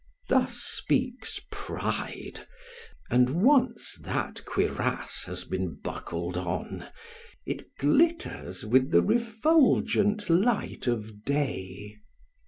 Thus speaks pride, and once that cuirass has been buckled on, it glitters with the refulgent light of day.